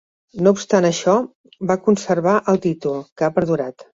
No obstant això, va conservar el títol, que ha perdurat.